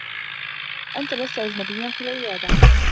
أنت لست أجنبيّا في العيادة.